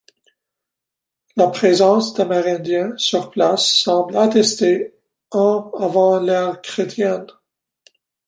La présence d'Amérindiens sur place semble attestée ans avant l'ère chrétienne.